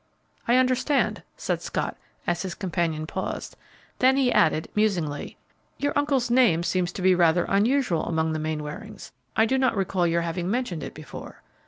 "I understand," said Scott, as his companion paused. Then he added, musingly, "Your uncle's name seems to be rather unusual among the Mainwarings; I do not recall your having mentioned it before."